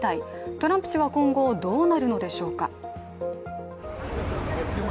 トランプ氏は今後、どうなるのでしょうか。